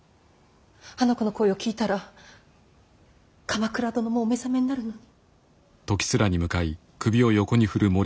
あの子の声を聞いたら鎌倉殿もお目覚めになるのに。